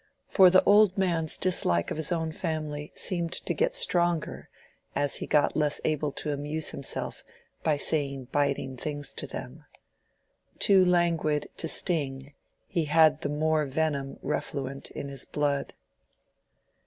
For the old man's dislike of his own family seemed to get stronger as he got less able to amuse himself by saying biting things to them. Too languid to sting, he had the more venom refluent in his blood.